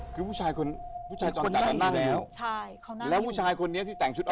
คือผู้ชายคนนั้นน่ะนั่งอยู่